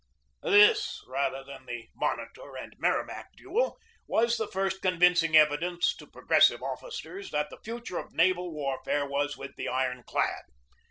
This, rather than the Monitor and Merrimac duel, was the first convincing evidence to progressive officers that the future of naval warfare was with the iron clad.